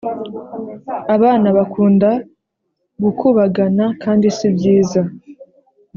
abana bakunda gukubagana kandi sibyiza